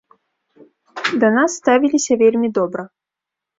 Да нас ставіліся вельмі добра.